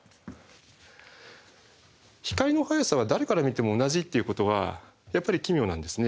光の速さは誰から見ても同じっていうことはやっぱり奇妙なんですね。